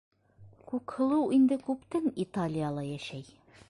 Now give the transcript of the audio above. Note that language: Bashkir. Күкһылыу инде күптән Италияла йәшәй.